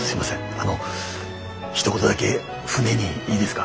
あのひと言だけ船にいいですか？